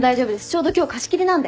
ちょうど今日貸し切りなんで。